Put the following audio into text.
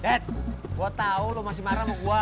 dad gua tau lu masih marah sama gua